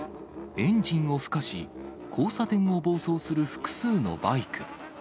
エンジンをふかし、交差点を暴走する複数のバイク。